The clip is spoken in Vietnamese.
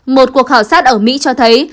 một cuộc khảo sát ở mỹ cho thấy